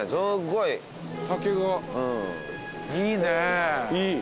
いいね。